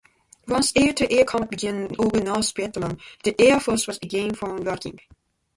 Once air-to-air combat began over North Vietnam, the Air Force was again found lacking.